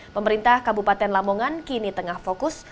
pemerintah kabupaten lamongan kini tengah fokus